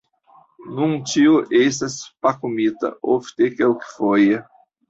Nun ĉio estas pakumita, ofte kelkfoje!